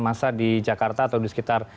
masa di jakarta atau di sekitar